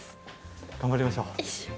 頑張りましょう。